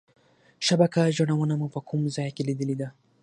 شبکه جوړونه مو په کوم ځای کې لیدلې ده؟